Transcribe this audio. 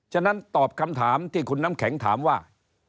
ฉะนั้นตอบคำถามที่คุณน้ำแข็งถามว่า